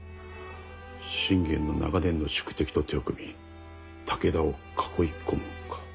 信玄の長年の宿敵と手を組み武田を囲い込むか。